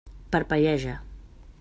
Parpelleja.